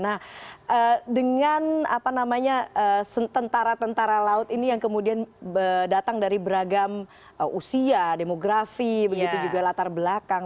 nah dengan apa namanya tentara tentara laut ini yang kemudian datang dari beragam usia demografi begitu juga latar belakang